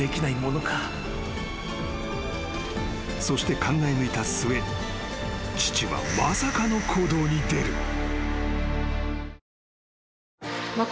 ［そして考えぬいた末父はまさかの行動に出る］